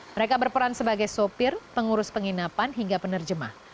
mereka berperan sebagai sopir pengurus penginapan hingga penerjemah